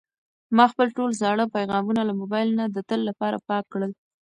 ما خپل ټول زاړه پیغامونه له موبایل نه د تل لپاره پاک کړل.